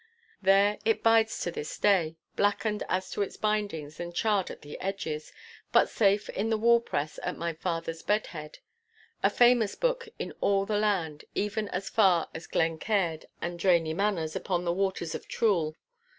There it bides to this day, blackened as to its bindings and charred at the edges, but safe in the wall press at my father's bed head, a famous book in all the land, even as far as Glencaird and Dranie Manors upon the Waters of Trool.